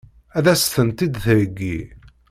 Ad as-tent-id-theggi?